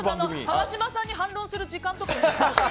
川島さんに反論する時間とか。